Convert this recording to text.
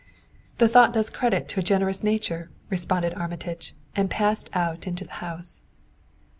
"The thought does credit to a generous nature!" responded Armitage, and passed out into the house.